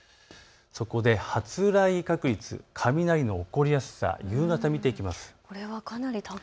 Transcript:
そこで発雷確率、雷の起こりやすさ、夕方、見ていきます。